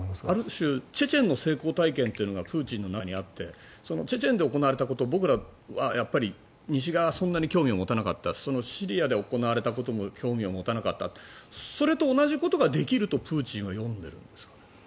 ある種チェチェンの成功体験というのがプーチンの中にあってチェチェンで行われたこと僕らは西側はそんなに興味を持たなかったシリアで行われたことも興味を持たなかったそれと同じことができるとプーチンは読んでるんですか？